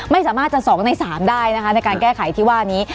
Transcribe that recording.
ไม่สามารถจะ๒ใน๓ได้นะคะในการแก้ไขที่ว่านี้